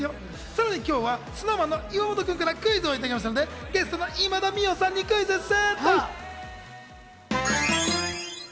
さらに今日はＳｎｏｗＭａｎの岩本君からクイズをいただきましたのでゲストの今田美桜さんにクイズッス！